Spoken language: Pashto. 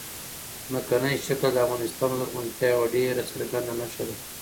ځمکنی شکل د افغانستان د زرغونتیا یوه ډېره څرګنده نښه ده.